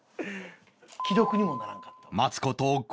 既読にもならんかった。